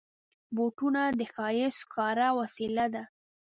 بوټونه د ښایست ښکاره وسیله ده.